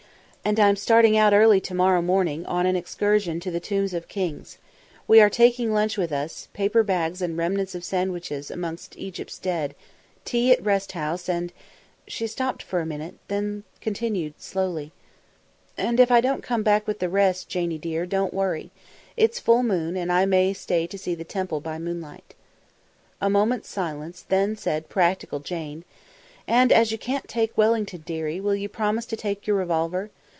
And I'm starting out early early to morrow morning on an excursion to the Tombs of the Kings. We are taking lunch with us paper bags and remnants of sandwiches amongst Egypt's dead tea at the Rest House and " She stopped for a minute, then continued slowly: " and if I don't come back with the rest, Janie dear, don't worry. It's full moon, and I may stay to see the Temple by moonlight." A moment's silence; then said practical Jane: "And as you can't take Wellington, dearie, will you promise to take your revolver?